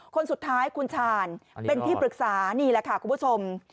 คนสุดท้ายคุณชาญเป็นที่ปรึกษานี่แหละค่ะคุณผู้ชม